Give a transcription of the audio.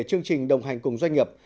chương trình đồng hành cùng doanh nghiệp